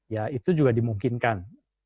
ya itu juga dimungkinkan